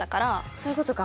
そういうことか。